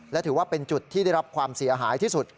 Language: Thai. และถือว่าเป็นจุดที่ได้รับความเสียหายที่สุด